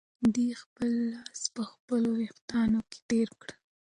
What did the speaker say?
ده خپل لاس په خپلو وېښتانو کې تېر کړ.